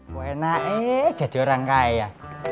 buena ee jadi orang kaya